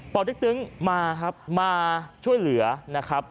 ติ๊กตึ๊งมาครับมาช่วยเหลือนะครับ